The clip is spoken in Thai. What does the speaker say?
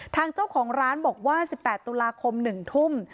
ทางเจ้าของร้านบอกว่า๑๘ตุลาคม๑ทุ่ม